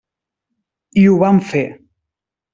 I ho vam fer.